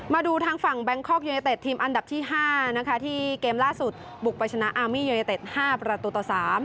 มาดูทางฝั่งแบงคอกยูเนเต็ดทีมอันดับที่๕นะคะที่เกมล่าสุดบุกไปชนะอามียูเนเต็ด๕ประตูต่อ๓